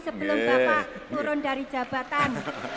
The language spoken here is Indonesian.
sebelum bapak turun dari jabatan